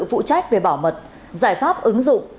phụ trách về bảo mật giải pháp ứng dụng